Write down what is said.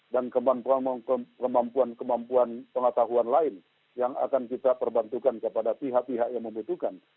dan kemampuan kemampuan pengetahuan lain yang akan kita perbantukan kepada pihak pihak yang membutuhkan